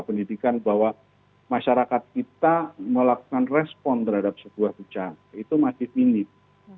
pendidikan bahwa masyarakat kita melakukan respon terhadap sebuah bencana itu masih minim